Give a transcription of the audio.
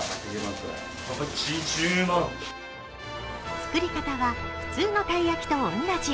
作り方は普通のたい焼きと同じ。